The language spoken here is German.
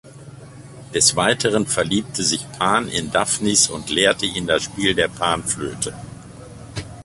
Des Weiteren verliebte sich Pan in Daphnis und lehrte ihn das Spielen der Panflöte.